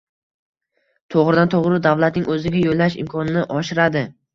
Toʻgʻridan-toʻgʻri davlatning oʻziga yoʻllash imkonini oshiradi.